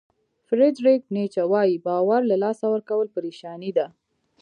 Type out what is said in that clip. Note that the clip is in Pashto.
فریدریک نیچه وایي باور له لاسه ورکول پریشاني ده.